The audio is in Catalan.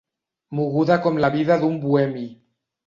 Moguda com la vida d'un bohemi.